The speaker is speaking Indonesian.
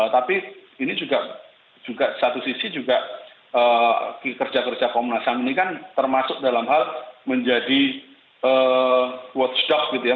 tapi ini juga satu sisi juga kerja kerja komnas ham ini kan termasuk dalam hal menjadi watchdog gitu ya